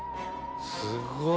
すごい！